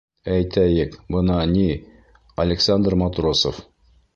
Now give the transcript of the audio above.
-Әйтәйек, бына, ни, Александр Матросов...